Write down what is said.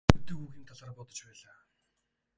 Би зохицох гэдэг үгийн талаар бодож байлаа.